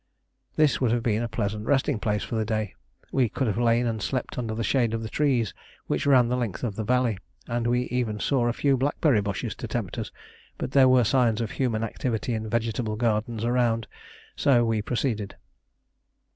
This would have been a pleasant resting place for the day: we could have lain and slept under the shade of the trees which ran the length of the valley, and we even saw a few blackberry bushes to tempt us; but there were signs of human activity in vegetable gardens around, so we proceeded.